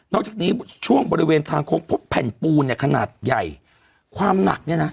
จากนี้ช่วงบริเวณทางโค้งพบแผ่นปูนเนี่ยขนาดใหญ่ความหนักเนี่ยนะ